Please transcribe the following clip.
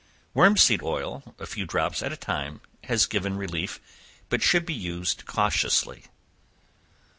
Wormseed oil, a few drops at a time, has given relief, but should be used cautiously.